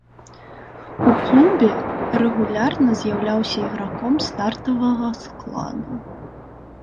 У клубе рэгулярна з'яўляўся іграком стартавага складу.